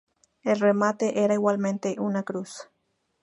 El remate era igualmente una cruz.